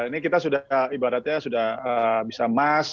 ini kita sudah ibaratnya sudah bisa emas